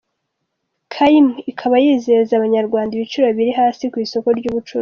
Kaymu ikaba yizeza abanyarwanda ibiciro biri hasi ku isoko ry’ubucuruzi.